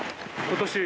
今年。